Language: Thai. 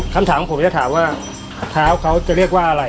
คำถามผมจะถามว่าเท้าเขาจะเรียกว่าอะไร